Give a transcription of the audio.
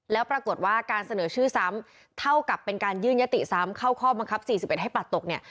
แล้วปรากฏว่าการเสนอชื่อซ้ำเท่ากับเป็นการยื่นยติซ้ำเข้าข้อบังคับ๔๑ให้ปัดตกเนี่ย